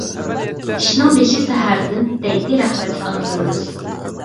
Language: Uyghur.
«ئىشنىڭ بېشى سەھەردىن» دەيتتى رەھمەتلىك ئانىلىرىمىز.